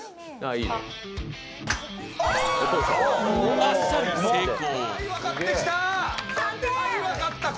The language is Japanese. あっさり成功。